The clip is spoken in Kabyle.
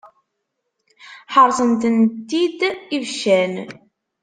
Ḥaṛṣen-tent-id ibeccan.